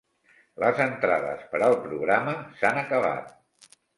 Les entrades per al programa s'han acabat.